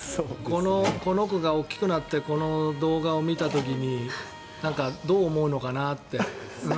この子が大きくなってこの動画を見た時にどう思うのかなって。